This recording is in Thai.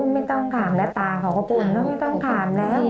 ไม่ต้องถามแล้วตาเขาก็บ่นไม่ต้องถามแล้ว